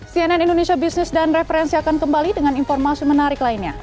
cnn indonesia business dan referensi akan kembali dengan informasi menarik lainnya